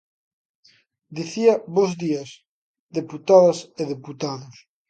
Dicía: bos días, deputadas e deputados.